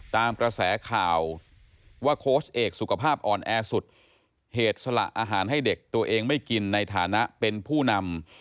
ตามกระแสข่าวว่าโค้ชเอกสุขภาพอ่อนแอสุดเหตุสละอาหารให้เด็กตัวเองไม่กินในฐานะเป็นผู้นำ